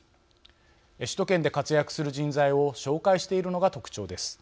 首都圏で活躍する人材を紹介しているのが特徴です。